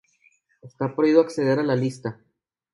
Está prohibido acceder a la isla.